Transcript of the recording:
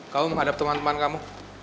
kamu menghadap teman teman kamu